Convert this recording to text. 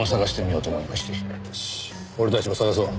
よし俺たちも探そう。